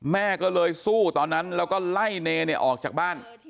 แม่ก็เลยสู้ตอนนั้นแล้วก็ไล่เนเนี่ยออกจากบ้าน